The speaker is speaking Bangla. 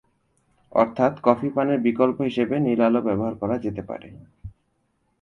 অর্থাত্, কফি পানের বিকল্প হিসেবে নীল আলো ব্যবহার করা যেতে পারে।